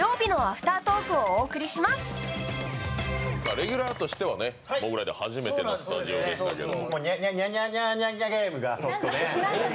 レギュラーとしてはモグライダー初めてのスタジオでしたけれども。